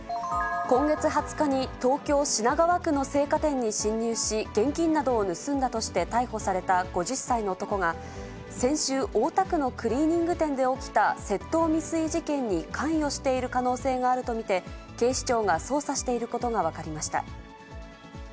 今月２０日に東京・品川区の青果店に侵入し、現金などを盗んだとして逮捕された５０歳の男が、先週、大田区のクリーニング店で起きた窃盗未遂事件に関与している可能性があると見て、警視庁が捜査していることが分かりました。